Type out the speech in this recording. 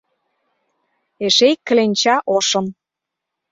Эше ик кленча ошым.